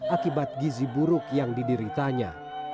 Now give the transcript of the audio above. akibat gizi buruk yang dideritanya